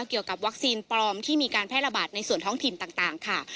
เกี่ยวกับวัคซีนปลอมที่มีการแพร่ระบาดในส่วนท้องถิ่นต่างค่ะ